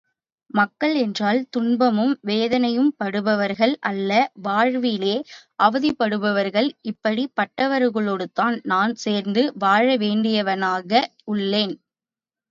மக்கள் என்றால், துன்பமும் வேதனையும்படுபவர்கள் அல்லல் வாழ்விலே அவதிப்படுபவர்கள் இப்படிப் பட்டவர்களோடுதான் நான் சேர்ந்து வாழ வேண்டியவனாக உள்ளேன்!